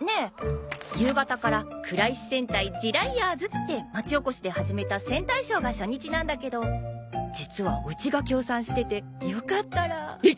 ねえ夕方から藏石千隊児雷ヤーズって町おこしで始めた戦隊ショーが初日なんだけど実はうちが協賛しててよかったら。